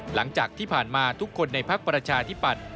หลังจากที่ผ่านมาทุกคนในพักประชาธิปัตย